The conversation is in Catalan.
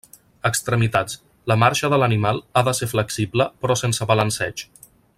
Extremitats: la marxa de l'animal ha de ser flexible però sense balanceig.